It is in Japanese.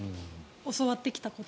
教わってきたことは。